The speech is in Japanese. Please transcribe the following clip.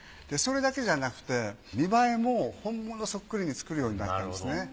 それだけじゃなくて見栄えも本物そっくりに作るようになったんですね。